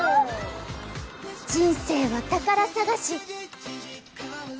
［人生は宝探し］